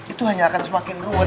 itu hanya akan semakin ruwet